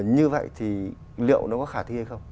như vậy thì liệu nó có khả thi hay không